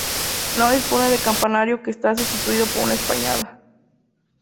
No dispone de campanario que está sustituido por una espadaña.